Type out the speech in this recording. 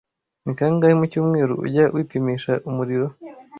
Ni kangahe mu cyumweru ujya wipimisha umuriro?